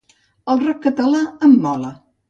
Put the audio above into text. El rock en català em mola.